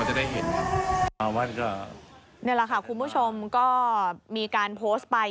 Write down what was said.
มันก็นี่แหละค่ะคุณผู้ชมก็มีการโพสต์ไป